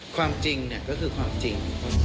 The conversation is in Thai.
ความจริงก็คือความจริง